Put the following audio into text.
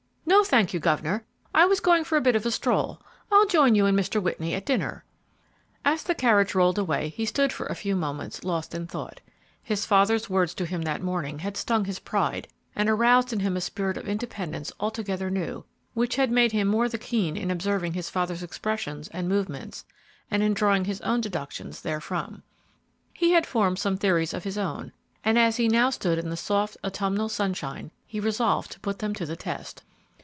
"No, thank you, governor. I'm going for a bit of a stroll; I'll join you and Mr. Whitney at dinner." As the carriage rolled away he stood for a few moments lost in thought. His father's words to him that morning had stung his pride and aroused in him a spirit of independence altogether new, which had made him the more keen in observing his father's expressions and movements, and in drawing his own deductions therefrom. He had formed some theories of his own, and as he now stood in the soft, autumnal sunshine, he resolved to put them to the test.